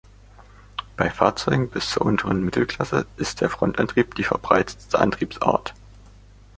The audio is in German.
Bei Fahrzeugen bis zur unteren Mittelklasse ist der Frontantrieb die verbreitetste Antriebsart.